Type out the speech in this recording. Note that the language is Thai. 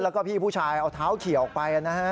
แล้วก็พี่ผู้ชายเอาเท้าเขียวออกไปนะฮะ